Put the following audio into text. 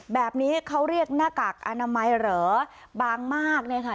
แบบนี้เขาเรียกหน้ากากอนามัยเหรอบางมากเลยค่ะ